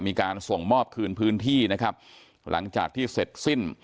มีการส่งมอบคืนพื้นที่นะครับหลังจากที่เสร็จสิ้น